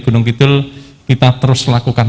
gunung kidul kita terus lakukan